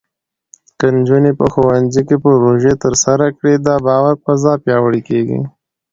که نجونې په ښوونځي کې پروژې ترسره کړي، د باور فضا پیاوړې کېږي.